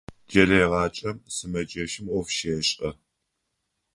Кӏэлэегъаджэм сымэджэщым ӏоф щешӏэ.